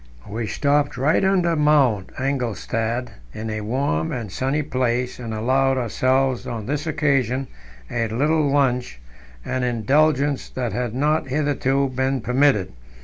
We stopped right under Mount Engelstad in a warm and sunny place, and allowed ourselves on this occasion a little lunch, an indulgence that had not hitherto been permitted.